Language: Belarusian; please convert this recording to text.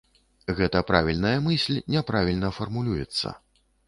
Гэта правільная мысль няправільна фармулюецца.